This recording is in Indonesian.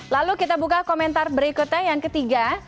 lalu kita buka komentar berikutnya yang ketiga